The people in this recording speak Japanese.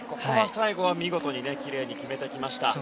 最後は見事にきれいに決めてきました。